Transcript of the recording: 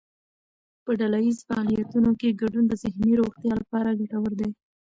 په ډلهییز فعالیتونو کې ګډون د ذهني روغتیا لپاره ګټور دی.